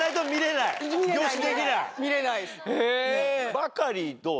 バカリどう？